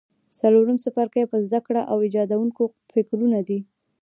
څلورم څپرکی په زده کړه او ایجادوونکو فکرونو دی.